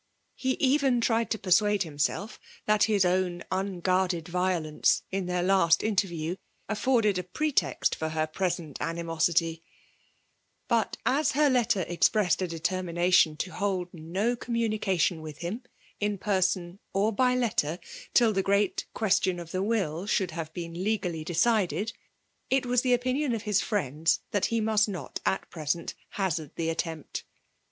Heeven tried to persuade himself that his own unguarded violence, in their last interview, afforded a pretext for her present animosityi But, as her letter expressed a detenninatiott to hold no communication with him, in person or by letter, till the gpreat question of the will diould have been legally decided, it was ih6 opinion of his friends that he must not at present hazard the attempt.